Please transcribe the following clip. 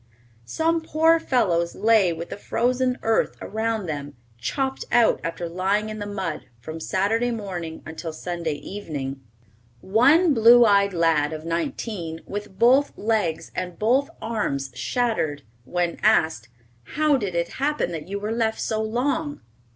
Some poor fellows lay with the frozen earth around them, chopped out after lying in the mud from Saturday morning until Sunday evening. One blue eyed lad of nineteen, with both legs and both arms shattered, when asked, "How did it happen that you were left so long?"